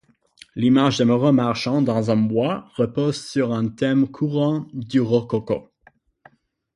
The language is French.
L'image d'amoureux marchant dans un bois repose sur un thème courant du rococo.